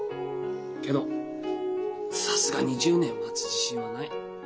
けどさすがに１０年待つ自信はない。